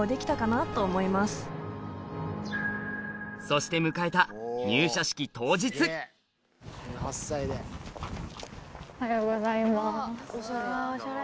そして迎えたおはようございます。